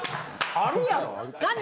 あるやろ。